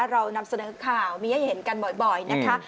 เรานำเสนอข่าวมีให้เห็นกันบ่อยนะคะ